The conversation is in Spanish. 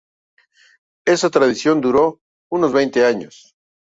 Esta tradición duró unos veinte años.